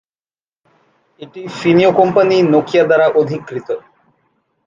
এটি ফিনীয় company Nokia দ্বারা অধিকৃত।